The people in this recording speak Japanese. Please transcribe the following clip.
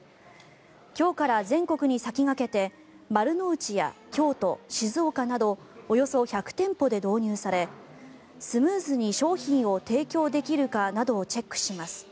今日から全国に先駆けて丸の内や京都、静岡などおよそ１００店舗で導入されスムーズに商品を提供できるかなどをチェックします。